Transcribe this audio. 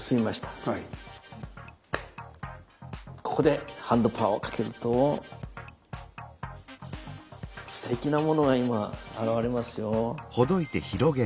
ここでハンドパワーをかけるとすてきなものが今現れますよ。